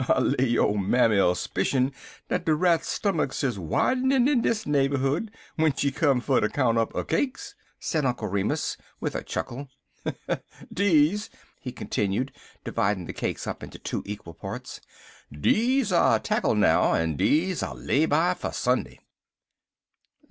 "I lay yo' mammy 'll 'spishun dat de rats' stummicks is widenin' in dis neighborhood w'en she come fer ter count up 'er cakes," said Uncle Remus, with a chuckle. "Deze," he continued, dividing the cakes into two equal parts "dese I'll tackle now, en dese I'll lay by fer Sunday.